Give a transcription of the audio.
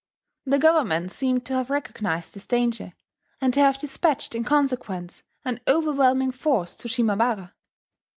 The government seems to have recognized this danger, and to have despatched in consequence an overwhelming force to Shimabara.